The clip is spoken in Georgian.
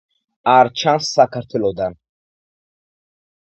არ ჩანს საქართველოდან.